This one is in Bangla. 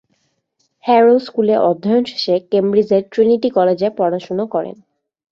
হ্যারো স্কুলে অধ্যয়ন শেষে কেমব্রিজের ট্রিনিটি কলেজে পড়াশুনো করেন।